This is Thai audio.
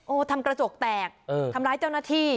ทำกระจกแตกทำร้ายเจ้าหน้าที่